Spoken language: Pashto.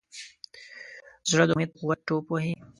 زړه د امید په قوت ټوپ وهي.